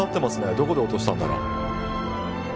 どこで落としたんだろう